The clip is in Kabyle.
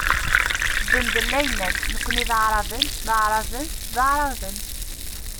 Ben Bella yenna-d: "Nekni d aɛraben, d aɛraben, d aɛraben".